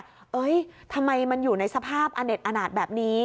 เฮ้ยทำไมมันอยู่ในสภาพอเน็ตอนาจแบบนี้